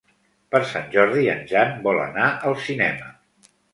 Per Sant Jordi en Jan vol anar al cinema.